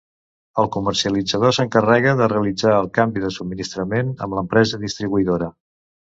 El comercialitzador s'encarrega de realitzar el canvi de subministrament amb l'empresa distribuïdora.